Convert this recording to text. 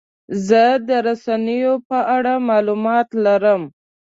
زه د رسنیو په اړه معلومات لرم.